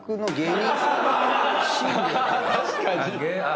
確かに！